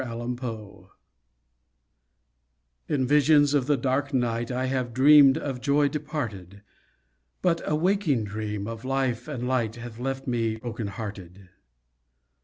A DREAM In visions of the dark night I have dreamed of joy departed— But a waking dream of life and light Hath left me broken hearted.